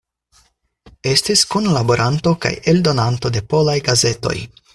Estis kunlaboranto kaj eldonanto de polaj gazetoj.